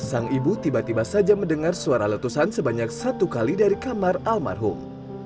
sang ibu tiba tiba saja mendengar suara letusan sebanyak satu kali dari kamar almarhum